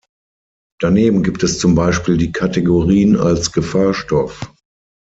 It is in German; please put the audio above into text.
Daneben gibt es zum Beispiel die Kategorien als Gefahrstoff.